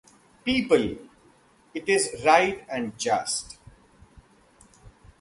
"People:" It is right and just.